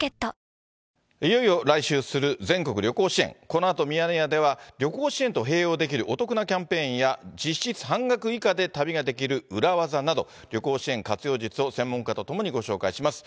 このあと、ミヤネ屋では旅行支援と併用できるお得なキャンペーンや、実質半額以下で旅ができる裏技など、旅行支援活用術を専門家と共にご紹介します。